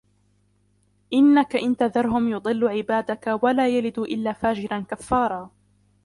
إِنَّكَ إِنْ تَذَرْهُمْ يُضِلُّوا عِبَادَكَ وَلَا يَلِدُوا إِلَّا فَاجِرًا كَفَّارًا